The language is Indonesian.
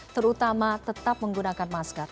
terutama tetap menggunakan masker